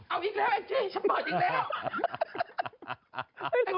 เอาอีกแล้วแองจี้ฉันเปิดอีกแล้ว